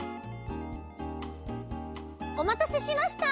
おまたせしました！